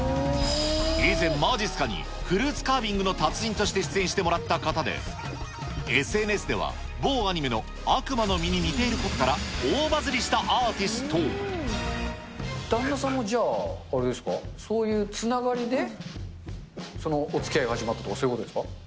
以前、まじっすかに、フルーツカービングの達人として出演してもらった方で、ＳＮＳでは、某アニメの悪魔の実に似ていることから、大バズりしたアーティス旦那さんもじゃああれですか、そういうつながりで、そのおつきあいが始まったとか、そういうことですか？